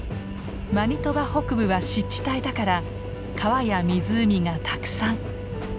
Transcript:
マニトバ北部は湿地帯だから川や湖がたくさん。